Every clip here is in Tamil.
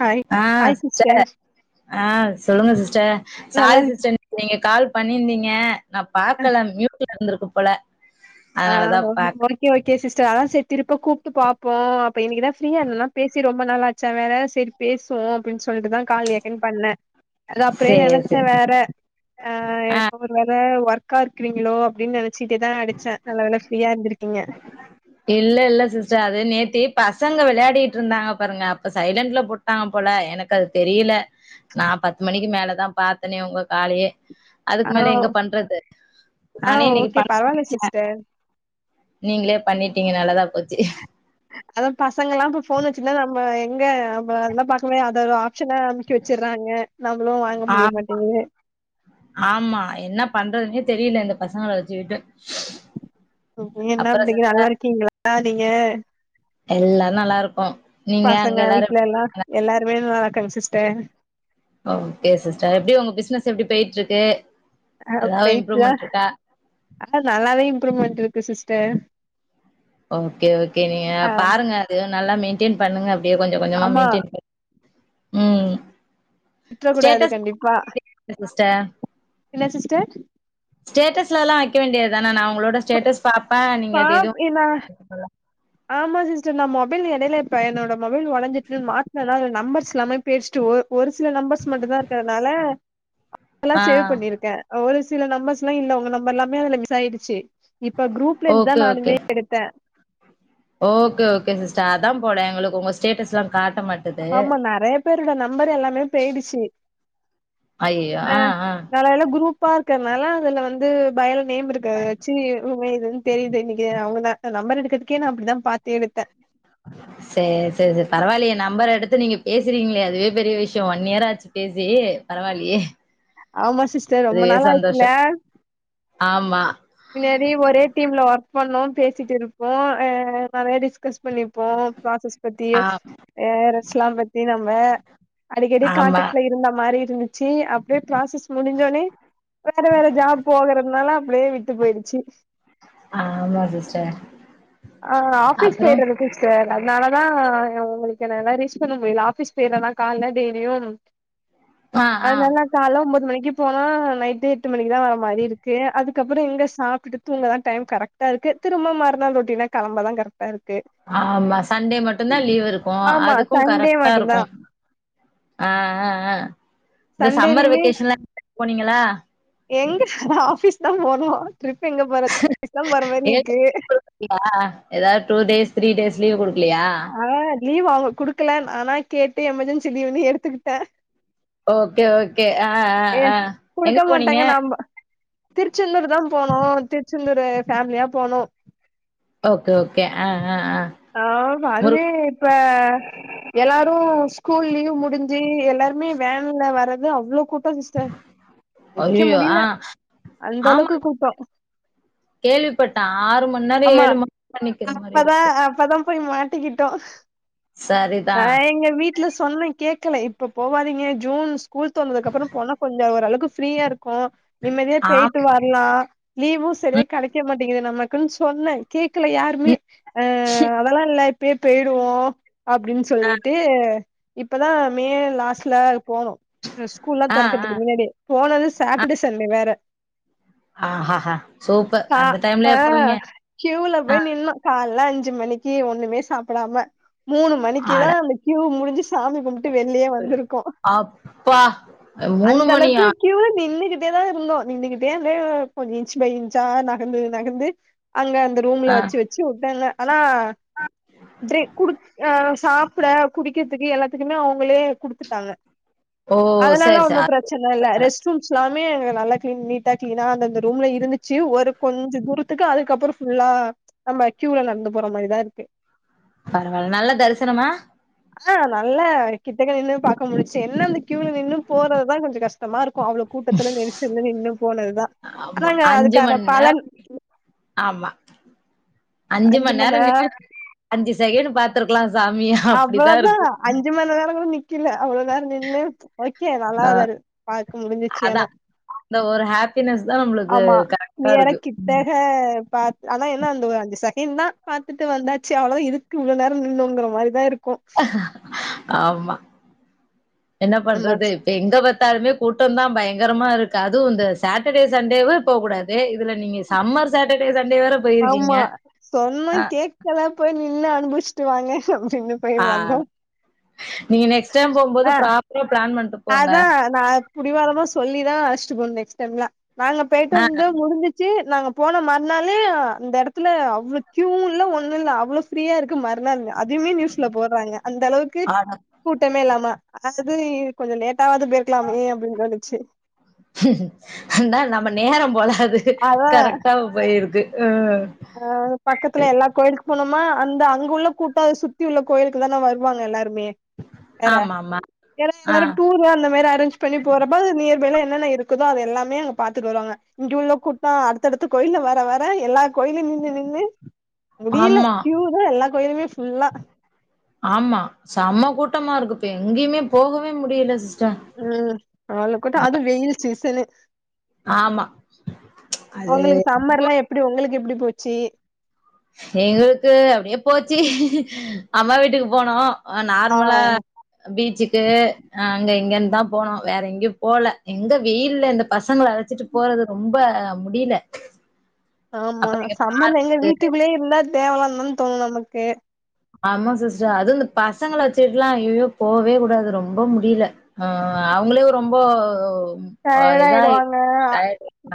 ஹாய் ஆ ஹாய் சிஸ்டர் ஆ சொல்லுங்க சிஸ்டர் நல்லா சாரி இருக்கீங்களா சிஸ்டர் நீங்க கால் பண்ணியிருந்தீங்க நா பாக்கல மியூட்ல இருந்திருக்கு போல அதனாலதா பாக் [unintelligible] ஓகே ஓகே சிஸ்டர் அதா சேரி திருப்ப கூப்பிட்டு பாப்போ அப்ப இன்னிக்குதா ஃப்ரியா இருந்தெனா பேசி ரொம்ப நாச்சா வேற சேரி பேசுவோ அப்டின்னு சொல்லிட்டுதா காலி ஏர்க்கனவே பண்ணே அது அப்பயே சேரி நெனைச்சே சேரி வேற ஆ ஒரு வேல ஒர்க்கா இருக்கிறீங்களோ அப்படின்னு நெனைச்சிட்டே தா அடிச்சே நல்ல வேள ஃப்ரீயா இருந்திருக்கீங்க இல்ல இல்ல சிஸ்டர் அது நேத்தி பசங்க விளாடிட்டு இருந்தாங்க பாருங்க அப்ப சைலண்ட்ல போ பட்டாங்க போல எனக்கு அது தெரியல நா பத்து மணிக்கு மேலதா பாத்தனே உங்க காலையே ஆ அதுக்கு மேல எங்க பண்றது ஆ நானே இன்னிக்கி ஓகே பண்ணனு பரவால்ல நெனச்ச சிஸ்டர் நீங்களே பண்ணிட்டீங்க நல்லாதா போச்சு அத பசங்க எல்லா இப்ப போன் வெச்சுன்னா நம்ம எங்க நம்ம அந்த பாக்கவே அத ஒரு பிரச்சனா அமைக்க வெச்சடுறாங்க நம்மளு வாங்க முடிய ஆமா மாட்டேங்குது ஆமா என்ன பண்றதுன்னே தெரியல இந்த பசங்க வெச்சுக்கிட்டு என்ன எப்படிங்கிற நல்லா இருக்கீங்களா நீங்க எல்லாரு நல்லா இருக்கோ நீங்க அங்க பசங்க எல்லாரு வீட்ல எப்டி எல்லா இருக்காங்க எல்லாருமே நல்லா இருக்காங்க சிஸ்டர் ஓகே சிஸ்டர் எப்டி உங்க பிசினஸ் எப்டி போயிட்டு இருக்கு ஆ ஏதாவது பொயிட் இம்ப்ரூவ்மெண்ட் இருக்கா ஆனா நல்லாவே இம்ப்ரூவ்மெண்ட் இருக்கு சிஸ்டர் ஓகே ஓகே நீங்க ஆ பாருங்க அது நல்லா மெயின்டெயன் பண்ணுங்க அப்டியே கொஞ்ச கொஞ்சமா ஆமா மெயின்டென் உம் விட்ற கூடாது கண்டிப்பா சிஸ்டர் ஸ்டேட்டஸ்ல எல்லா வைக்க வேண்டியதுதானா நா உங்களோட ஸ்டேட்டஸ் பாப்பே நீங்க அது பாப் எதயோ [inaudible] என்னா ஆமா சிஸ்டர் நா மொபைல் எடேலப்ப என்னோட மொபைல் ஒடஞ்சிட்டின் மாத்தனா [inaudible] நம்பர்ஸ் எல்லாமே பேஸ்ட்டு ஒ ஒரு சில நம்பர்ஸ் மட்டு தா இருக்கறனால அல்லா ஆ சேவ் பண்ணியிருக்க ஒரு சில நம்பர்ஸ் எல்லா இல்ல உங்க நம்பர் எல்லாமே அதுல மிஸ் ஆயிடுச்சி இப்ப குரூப்ல இருந்துதா ஓகே ஓகே நானுமே எடுத் த ஓகே ஓகே சிஸ்டர் அதா போல எங்களுக்கு உங்க ஸ்டேட்டஸ்சில்லா காட்ட மட் ஆமா நறைய பேரோட நம்பர் எல்லாமே பேயிடுச்சி ஐயயோ அ ஆ ஆ நல எல்லா குரு ப்பாக்கறனால அதுல வந்து பயல நேம் இருக்காச்சி உண்ம இதுன் தெரியுதே இன்னைக்கே அவ்ங்கன ஆ நம்பர் எடுக்கிறதுக்கே நா அப்டிதா பாத்து எடுத்த சேரி சேரி சேரி பரவாயில்லயே நம்பர் எடுத்து நீங்க பேசுறீங்ளே அதுவே பெரிய விஷயோ ஒன் இயராச்சி பேசி பரவால்லியே ஆமா சிஸ்டர் ரொம்ப நாளா ஆச்சில ஆமா முன்னாடி ஒரே டீம்ல ஒர்க் பண்ணோ பேசிட்டு இருப்போ அ அ நறைய டிஸ்கஸ் பண்ணிப்போ ஆ பிராசஸ்பத்தியோ ஏ ரேஸ்லா பத்தி நம்ம அடிக்கடி ஆமா கான்டக்ட்ல இருந்தா மாரி இருந்துச்சி அப்டியே கிளாசஸ் முடிஞ்சோடனே வேற வேற ஜாப் போகறதுனால அப்டியே விட்டு போயிடுச்சி ஆமா சிஸ்டர் ஆ ஆஃபீஸ் அப்புறோ சேறதுக்கு சர் அதனாலதா ய உங்ளுக்கு கேனலா ரீச் பண்ண முடியல ஆஃபீஸ் பேய்றதால கால்ல டெய்லியும் ஆ ஆ அதனால கால்ல ஒன்போது மணிக்கு போனா நைட்டு எட்டு மணிக்குதா வர மாரி இருக்கு அதுக்கப் அப்புற இங்க சாப்டுட்டு தூங்க தா டைம் கரக்டா இருக்கு திருமம்மாறுநாள் ரொட்டினா கிளம்ப தா கரெட் டர்க்கு ஆமா சண்டே மட்டுதா லீவ் இருக்கு ஆமா அதுக்கு சண்டே கரெக்டா மட்டுந்தா இருக்கு அ ஹ ஹ இந்த சம்மர் சண்டேலயுமே வெக்கேஷன்லா [inaudible] போனீங்ளா எங்க ஆபீஸ் தா போனோ ட்ரிப் எங்க போறது [inaudible] ஆபீஸ் தா போற மாரி இருக்கு இல்லா ஏதாவது two days three days leave குடுக்கில்லையா ஆனா லீவ் அவங்க குடுக்கல ஆனா கேட்டு எமர்ஜென்சி லீவு்ன்னு எடுத்துக்கிட்ட ஓகே ஓகே அ அ ஏ அ அ எங்க குடுக்க போனீங்க மாட்டாங்க நாம திருச்செந்தூர் தா போனோ திருச்செந்தூரு ஃபேமிலியா போனோ ஓகே ஓகே ஆ ஆ ஆ ஆஹா முரு வாதுவே இப்ப எல்லாரு ஸ்கூல் லீவ் முடிஞ்சி எல்லாருமே வேன்ல வரறது அவ்ளோ கூட் டோ சிஸர் நிக்க ஐயயோ முடில ஆ அந்த அளவுக்கு கூட்டோ கேள்விப்பட்ட ஆறு மணி நேரோ ஏழு மணிரோ நிக்கிற மாரி இருக் த அப்பதா போய் மாட்டிக்கிட்டோ சரிதா ந எங்க வீட் ல சொன்ன கேக்ல இப்ப போவாதீங்க ஜூன் ஸ்கூல் தோறந்ததுக்கு அப்புறம் போனா கொஞ்சம் ஓரளவுக்கு ஃப்ரீயா இருக்கு நிம்மதியா ஆம் பேய்ட்டு வரலா லீவு ம் சரியா கெடைக்க மாட்டேங்குது நமக் கிள் சொன்ன கேக்கல யாருமே ம் அ அதெல்லா இல்ல இப்பயே பேயிருவோ அப்டின்னு ஆ சொல்லிட்டு இப்பதா மே லாஸ்ட்ல போனோ ஸ்கூல்லா ஆ ஆ தொறக்கறதுக்கு முன்னாடி போனது சாட்டர்டே சண்டே வேற ஆஹஹா சூப்பர் கா அந்த ஆ டைம்லயா போவீங்க கியூல ஆ போய் நின்னோ காலைல அஞ்சு மணிக்கு ஒண்ணுமே சாப்பிடாம மூணு மணிக்குதா அட அந்த கியூ முடிஞ்சு சாமி கும்ட்டு வெளியே வந்திருக்கோ ஆ மூணு மணியா க்யூல நின்னுகிட்டேதா இருந்தோ நின்னுகிட்டே அப்டியே கொஞ்சோ இன்ச் பை இன்ச்சா நகந்து நகந்து அங்க அந்த ரூம்ல ஆ வச்சு வச்சு வுட்டாங்க ஆனா டிரிங் குடு அ சாப்ட குடிக்கிறதுக்கு எல்லாத்துக்குமே அவங்களே குடுத்துட்டாங்க ஓ அதனாலலா சரி சரி ஒன்னு அது பிரச் சன இல்ல பரவால ரெஸ்ட் ரூம்ஸ் எல்லாமே நல்லா கிளீன் நீட்டா கிளீனா அந்தந்த ரூம்ல இருந்துச்சு ஒரு கொஞ்ச தூரத்துக்கு அதுக்கப்பறோ ஃபுல்லா நம்ம கியூல நடந்து போற மாரிதா இருக்கு பரவாயில்ல நல்ல தரிசனமா ஆ நல்லா கிட்டக்க நின்னு பாக்க முஞ்சுச்சு என்ன அந்த க்யூல நின்னு போறதுதா கொஞ்ச கஷ்டமா இருக்கு அவ்ளோ கூட்டத்துல நெரிசல்ல நின்னு போனதுதா ஆமா அதாங்க அஞ்சு அதுக்கான மண் நேரோ பலன் ஆமா, அஞ்சு மணி மண் நேரம் நேர நின்னது அஞ்சு செகண்ட் பாத்துருக்கலா சாமிய அவ்ளோதா அஞ்சு மணிநேரோ கூட நிக்கல அவ்ளோ நேரோ நின்னு ஓகே, நல்லா பாக்க முடிஞ்சிச்சு அதா ஆனா இந்த ஒரு ஹாப்பினஸ் தான் நம்மளுக்கு ஆமா நீ கரெக்டா வேற இருக்கு. கிட்டக்க பாத் ஆனா என்ன அந்த ஒ அஞ்சு செகண்ட் தா பாத்துட்டு வந்தாச்சு அவ்ளோதா இதுக்கு இவ்ளோ நேரோ நின்னோங்ற மாரிதா இருக்கு ஆமா, என்ன நம்ம பண்றது எங்க பாத்தாலுமே கூட்டோந்தா பயங்கரமா இருக்கு அதுவு இந்த சட்டர்டே சண்டேவு போ கூடாது து இதுல நீங்க சம்மர் சட்டர்டே சண்டே வேற போயிருக்கீங்க அ எல்லா போய் நின்னு அனுபவிச்சிட்டு வாங்க அப்டினு போய் வந்தோ ஆட நீங்க நெக்ஸ்ட் டைம் போகும்போது ப்ராப்பரா பிளான் பண் அதா நா புடிவாதமா சொல்லிதா அழைச்சுட்டு போனு நெக்ஸ் டைம்லா நாங்க பெய்ட்டு அ வந்து முடிஞ் சி நாங்க போன மறுநாளே அந்த எடத்துல அவ்ளோ கியூவு இல்ல ஒண்ணு இல்ல அவ்ளோ ஃப்ரீயா இருக் க்கு மறுநாள் அதுமே நியூஸ்ல போட்றாங்க அந்த அளவுக்கு ஆட கூட்டமே இல்லாமா அது கொஞ்சோ லேட்டாவாது போயிருக்கலாமே அப்டின்னு தோணுச்சு அதா நம்ம நேரோ போல அது அதா கரெக்டா போயிருக்கு ம் அ பக்கத்துல எல்லா கோயிலுக்கு போனோமா அந்த அங்க உள்ள கூட்ட அத சுத்தி உள்ள கோயிலுக்குதான வருவாங்க எல்லாருமே வேற ஆமாமா. ஏனா ஆ. எல்லாரு டூரு அந்த மாரி அரேஞ்ச் பண்ணி போறப்ப அது நியர் பைல என்னென்ன இருக்குதோ அது எல்லாமே அங்க பாத்துட்டு வருவாங்க இங்க உள்ள கூட்டோ அடுத்தடுத்து கோயில்ல வர வர எல்லா கோயிலு நின்னு நின்னு முடியல ஆமா, கியூதா எல்லா கோயிலுமே ஃபுல்லா ஆமா செம கூட்டமா இருக்குப் இப்ப எங்கேயுமே போகவே முடியல சிஸ்டர் ம் அவ்ளோ கூட்ட அதும் வெயில் சீசனு ஆமா. அது உங்களுக்கு சம்மர் எல்லா எப்டி உங்களுக்கு எப்டி போச்சு எங்களுக்கு அப்டியே போச்சு அம்மா வீட்டுக்கு போனோ ஆ நார்மலா பீச்சுக்கு அங்க இங்கன்னுதா போனோ வேற எங்கேயு போல எங்க வெயில்ல இந்த பசங்கள அழச்சிட்டு போறது ரொம்ப முடில ஆமா சம்மர் ல எங்க வீட்டுக்குள்ளேயே இருந்தா தேவலானுதா தோணு நமக்கு ஆமா சிஸ்டர் அதும் இந்த பசங்கள வச்சிகிட்லா ஐயயோ போவே கூடாது ரொம்ப முடில ஆ அவங்ளே ரொம்போ ஆ டயர்ட் இதாய்ட் ஆயிடுவாங்க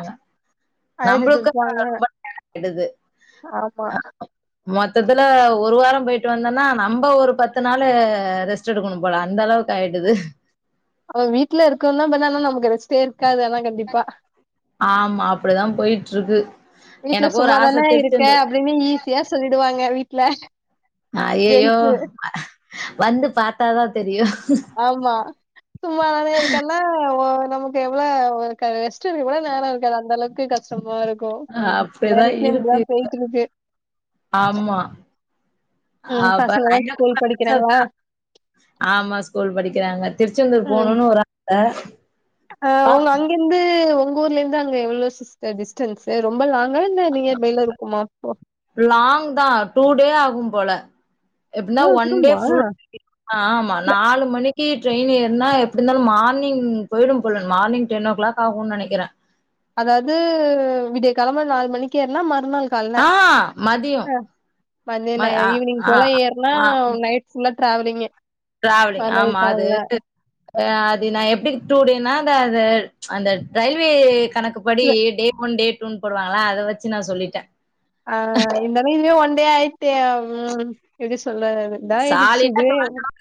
அங்க அழுதுட்டு நம்புளுக்கு இருப்பாங்க ரொம்ப [inaudible] டுது ஆமா மொத்தத்துல ஒரு வாரோ போயிட்டு வந்தன்னா நம்ப ஒரு பத்து நாளு ரெஸ் ஸ்ட்டு எடுக்கணுபோல அந்த அளவுக் ஆயிடுது அவ வீட்ல இருக்கானா அந்த நாள்ல நமக்கு ரெஸ்ட்டே இருக்காது ஆனா கண்டிப்பா ஆமா அப்டிதா போயிட்ருக்கு வீட்ல சும்மாதான இருக்க அப்டின்னு ஈஸியா சொல்லிடுவாங்க வீட்ல அய்யய்யோ ஜென்ஸு வந்து பாத்தா தா தெரியு ஆமா சும்மா தானே இருக்கேன்னா நமக்கு எவ்ளோ காய்ல ரெஸ்ட்டு எடுக்க கூட நேரோ இருக்காது அந்த அளவுக்கு கஷ்டமா இருக் கோ வேற அப்படிதான் எப்டியா இப்டிதா இருக்கு போயிட்ருக்கு ஆமா ம் அப்ப பசங்கள்லா ஸ்கூல் படிக்கிறாங்ளா ஆமா ஸ்கூல் படிக்கிறாங்க திருச்செந்தூர் ம் போணுனு ஒரு ஆச ஆ உங்க அங்கந்து உங்க ஊர்ல இருந்து அங்க எவ்ளோ சிஸ்டர் டிஸ் ஸ்டன்சு ரொம்ப லாங்கா இல்ல நியர் பைல இருக்குமா லாங் தா டூ டே ஆகும் போல எப்டின்னா இவ்ளோ ஒன் டே தூரமா ஃபுல் ஆமா நாலு மணிக்கு ட்ரெயின் ஏற்னா எப்டி இந்தாலு மார்னிங் போய்டும் போல மார்னிங் டென் ஓ கிளாக் ஆகுன் நெனைக்கிற அதாவ்து விடிய கெழம நால் மணிக்கு ஏற்னா மறுநாள் கால்ல ஆ மதியம் அ ம மத்யானோ ஆ ஈவ்னிங் ஆ போல ஏற்னா நைட் ஃபுல்லா ட்ராவ்லிங்லே ட்ராவ்லிங் ஆமா அது அது நா எப்டி [unintelligible] அந்த அது அந்த ரயில்வே கணக்கு படி டே ஒன் டே டூன்னு போடுவாங்ளா அத வச்சு நா சொல்லிட்ட ஆ இந்த மீன்லே ஒன் டே ஆயிட்டு ம் எப்டி சொல்ல வர்து இதாயிடுச்சி சாலிடா டே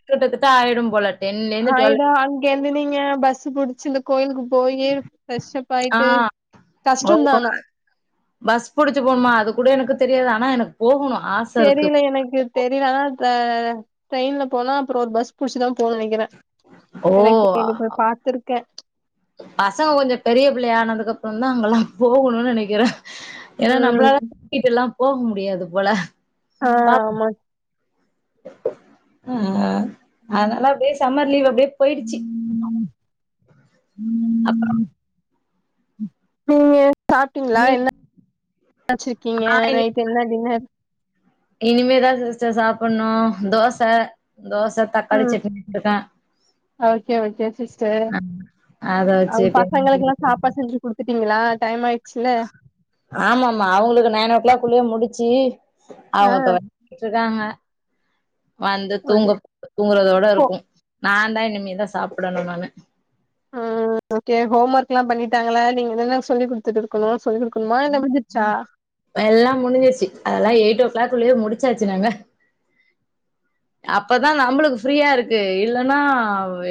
கிட்டத்தட்ட ஆயிடும் போல டென்ல இருந்து டுவெல் ஆயிடோ அங்க இருந்துன்னு நீங்க பஸ்ஸு புடிச்சுன்னு கோயிலுக்கு போவீங்க ப்ரெஷ்ஷப் ஆ ஆயிட்டு ஓ கஷ்டம் தா ஆனா பஸ் புடிச்சு போணுமா அது கூட எனக்கு தெரியாது ஆனா எனக் போகுணு ஆஸ் தெரியில எனக்கு தெரியில ஆனா ட்ரெயின்ல போலா அப்புறம் பஸ் புடிச்சுதா போணும் இல்ல ஓ [inaudible] கோயில் போய் பாத்துருக்க பசங்க கொஞ்சம் பெரிய பிள்ளை ஆனதுக்கு அப்புறம் தா அங்கெல்லா போகணுன் நெனைக்கிற ஏன்னா ம் நம்பளால [inaudible] கூட்டிட்டெல்லா போ முடியாது போல ஆ பாப் ஆமா ஆ அதனால அப்டியே சம்மர் லீவ் அப்டியே போயிடுச்சி ம் ம் அப்புறம் நீங்க [inaudible] சாப்பிட்டீங்ளா நீ என்ன [inaudible] ச்சிருக்கீங்க ஆ நைட் என்ன டின்னர் இனிமேதா சிஸ்டர் சாப்புன்னோ தோச தோச தக்காளி ம் சட்னி [inaudible] க்கே ஓகே ஓகே சிஸ்டர் அ அத வச்சு பசங்களுக்குல்லா சாப் பாட் செஞ்சு குடுத்துட்டீங்ளா டைம் ஆயிச்சுல்ல ஆமாமா அவங்களுக்கு நைன் ஓ கிளாக் குள்ளயே முடிச்சு ஆ அவங்க இப்ப [inaudible] ராங்க வந்து ஓகே தூங்க தூங்கறதோட ஹோ இருக்கும் நான் தா இனிமேதா சாப்பிடணும் நானு ஆ ஓகே ஹோம் ஒர்க் எல்லாம் பண்ணிட்டாங்கள நீங்க என்ன சொல்லி குடுத்துட்டு இருக்கணும்னு சொல்லி கொடுக்கணுமா என்ன முடிஞ்சிருச்சா எல்லாம் முடிஞ்சிருச்சு அதெல்லாம் எயிட் ஓ கிளாக்லள்ளயே முடிச்சாச்சு நாங்க [unintelligible] அப்பதான் நம்மளுக்கு ஃப்ரீயா இருக்கு இல்லன்னா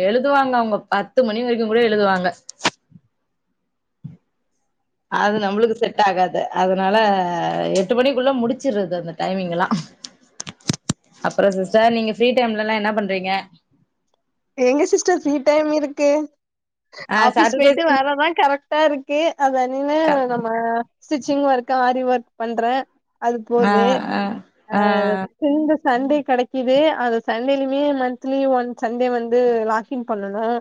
எழுதுவாங்க அவுங்க பத்து மணி வரைக்கும் கூட எழுதுவாங்க அது நம்மளுக்கு செட் ஆகாது அதனால எட்டு மணிக்குள்ள முடிச்சிருது அந்த டைமிங் எல்லாம் [unintelligible] அப்புறம் சிஸ்டர் நீங்க ஃபிரீ டைம்லல்லாம் என்ன பண்றீங்க எங்க சிஸ்டர் ஃப்ரீ டைம் இருக்கு ஆ ஆபிஸ் சாட்டர்டே போயிட்டு சன் வரதான் கரெக்ட்டா இருக்கு அதனில க ஆ ஸ்டிச்சிங் ஒர்க், ஆரி ஒர்க் பண்றேன் அது ஆ போது ஆ அ ஆ [unintelligible] சண்டே கிடைக்குது அது சண்டேலயுமே மந்த்லி ஒன்ஸ் ச ன்டே வந்து வாக்கிங் பண்ணனும்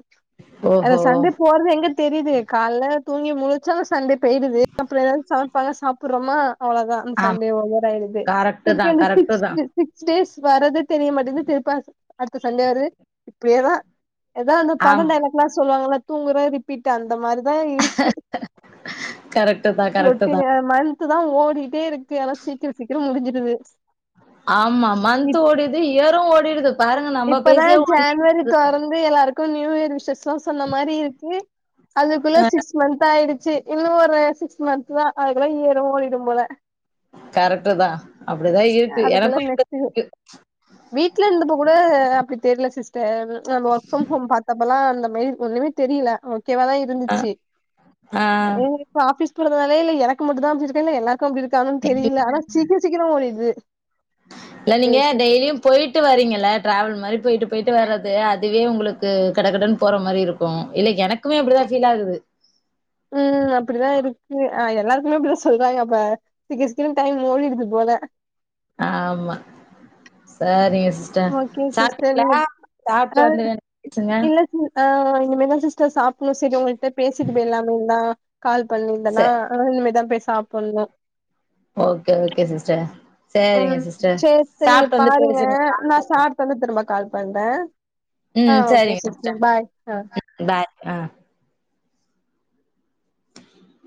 அந்த ஓஹோ சண்டே போறதே எங்க தெரியுது காலைல தூங்கி முழச்சாலும் சண்டே போயிடுது அப்புறம் ஏதாவது ச ப்பாட்லா சாப்றோமா அவ்ளோதா அந்த ஆமா சண்டே ஒவரா ஆயிடுது கரெக்ட்டு தா திருப்பி அந்த கரெக்ட்டு சிக்ஸ் தா சி சிக்ஸ் டேஸ் வரது தெரிய மாட்டேங்குது திருப்ப அடுத்த சண்டே வரு அப்படியேதான் ஏதோ ஒன்னு பட ஆமா டைலாக்ல்லாம் சொல்லுவாங்க தூங்குற ரிப்பீட் அந்த மாரிதான் இருக் க்கு கரெக்ட்டு தா கரெக்ட்டு தா ரொட்டினா மந்த்து தான் ஓடிட்டே இருக்கு ஆனா சீக்கிரம் சீக்கிரம் முடிஞ்சிருது ஆமா மந்த்து ஓடிடுது, இயரும் ஓடிடுது பாருங்க நம்ம பேசியா ஒன் வீக் வந்து எல்லாருக்கும் நியூ இயர் விஷ்ஷஸ் எல்லாம் சொன்ன மாரி இருக்கு அதுக்குள்ள சிகஸ் சிக்ஸ் மந்து ஆயிடுச்சு இன்னும் ஒரு சிக்ஸ் மந்து தான் அதுக்குல்ல இயரும் ஓடிடும் போல கரெக்ட் தான் அப்டிதான் இருக்கு அதுக்குள்ள எனக்கும் நெக்ஸ்ட் இருக் வீட்ல இருந்தப்போ கூட அப்டி தெரில சிஸ்டர் நா ஒர்க் ஃப்ரம் ஹோம் பாத்தப்ப எல்லாம் அந்த மாரி ஒன்னுமே தெரியல ஓகேவா தான் ஆ இருந்துச்சு ஆ எனக் இப்ப ஆபீஸ் போதுனாலே எனக்கு மட்டும் தா இப்டி இருக்கா இல்ல எல்லார்க் கும் அப்டி இருக்கான்னு தெரியல இல்ல ஆனா சீக்கிரொ சீக்கிரொம் ஓடிடுது இல்ல நீங்க டேஸ் டெய்லியும் போயிட்டு வரிங்கல ட்ராவல் மாரி போயிட்டு போயிட்டு வரது அதுவே உங்களுக்கு கடகடனு போற மாரி இருக் கும் இல்ல எனக்குமே அப்டிதான் ஃபீல் ஆகுது உம் அப்டிதான் இருக்கு எல்லாருக்குமே இப்டிதான் சொல்றாங்க அப்ப சிக்ர சிக்ரோ டைம் ஓடிடுது போல ஆமா சேரிங்க சிஸ்டர் ஓகே சிஸ்டர் சாப்டீங்களா நீங்க ஆ சாப்ட்டு வந்து பேசுங்க இல்ல ஆ இனிமேல் தான் சிஸ்டர் சாப்டணும் சேரிங்க உங்கள்கிட்ட பேசிட்டு போயிலாங்ளா கால் பண்ணியிருந்தேன்னா ச இனிமேல்தான் போயி சாப்பணும் ஓகே ஓகே சிஸ்டர் சரிங்க ம் சிஸ்டர் சேரி சேரி நீங்க சாப்ட்டு வந்து பாருங்க பேசுங்க கால் நா பண்ணுங்க சாப்ட்டு வந்து நா திரும்ப கால் பண்றேன் ஆ ம் ஓகே சரிங்க சிஸ்டர் பாய் ஆ பாய் ஆ [inaudible]